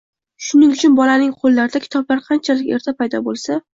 Shuning uchun, bolaning qo‘llarida kitoblar qanchalik erta paydo bo‘lsa